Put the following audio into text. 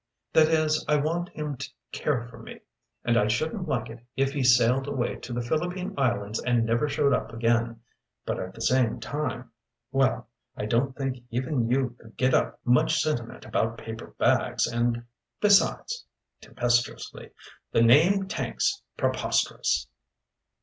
That is, I want him to care for me, and I shouldn't like it if he sailed away to the Philippine Islands and never showed up again, but at the same time well, I don't think even you could get up much sentiment about paper bags, and besides" tempestuously "the name Tank's preposterous!"